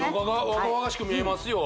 若々しく見えますよ